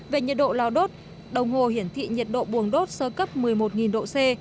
về nhiệt độ lò đốt đồng hồ hiển thị nhiệt độ buồng đốt sơ cấp một mươi một độ c